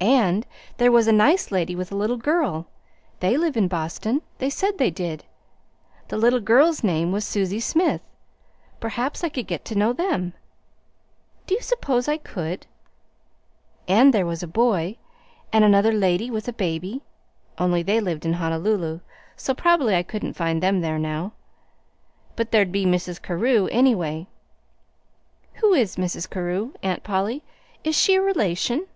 And there was a nice lady with a little girl. They live in Boston. They said they did. The little girl's name was Susie Smith. Perhaps I could get to know them. Do you suppose I could? And there was a boy, and another lady with a baby only they lived in Honolulu, so probably I couldn't find them there now. But there'd be Mrs. Carew, anyway. Who is Mrs. Carew, Aunt Polly? Is she a relation?"